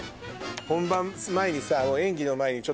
本番前にさ。